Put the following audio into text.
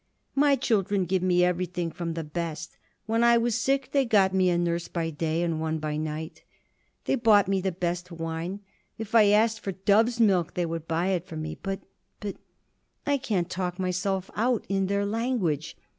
"My children give me everything from the best. When I was sick, they got me a nurse by day and one by night. They bought me the best wine. If I asked for dove's milk, they would buy it for me; but but I can't talk myself out in their language.